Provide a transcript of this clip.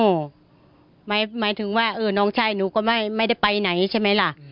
หมายถึงว่าน้องชายหนูก็ไม่ได้ไปไหนใช่ไหมล่ะ